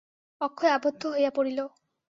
অক্ষয় আবদ্ধ হইয়া পড়িল।